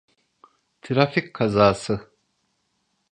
Trafik kazası.